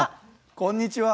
こんにちは！